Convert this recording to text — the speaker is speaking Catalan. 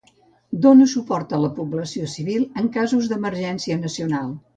Dóna suport a la població civil en casos d'emergència nacional.